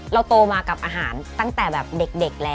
โตมากับอาหารตั้งแต่แบบเด็กแล้ว